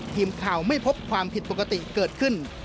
ทีมข่าวไม่พบความผิดปกติเกิดขึ้น